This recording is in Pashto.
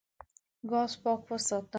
ګاز پاک وساته.